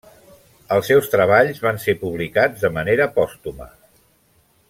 Els seus treballs van ser publicats de manera pòstuma.